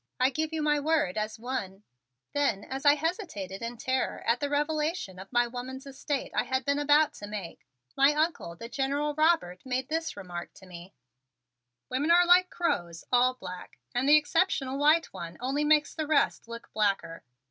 I give you my word as one " Then as I hesitated in terror at the revelation of my woman's estate I had been about to make, my Uncle, the General Robert, made this remark to me: "Women are like crows, all black; and the exceptional white one only makes the rest look blacker.